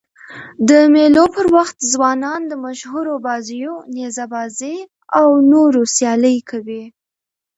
د مېلو پر وخت ځوانان د مشهورو بازيو: نیزه بازي او نورو سيالۍ کوي.